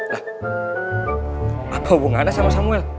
lah apa hubungannya sama samuel